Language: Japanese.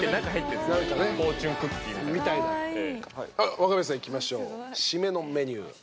若林さんいきましょう締めのメニュー。